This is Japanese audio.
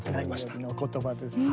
何よりのお言葉ですね。